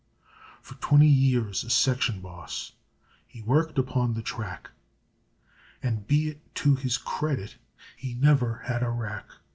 For twinty years a section boss, he worked upon the track, And be it to his cred i it he niver had a wrack.